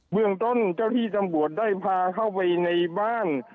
เมืองต้นเจ้าที่ตำรวจได้พาเข้าไปในบ้าน